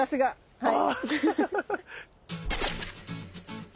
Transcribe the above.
はい。